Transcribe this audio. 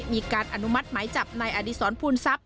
มีการอนุมัติไหมจับในอดีศรภูนิศรัพย์